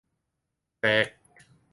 แสก